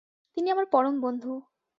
তিনি আমার পরম বন্ধু।